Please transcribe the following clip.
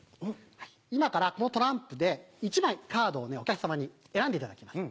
今からこのトランプで１枚カードをお客様に選んでいただきます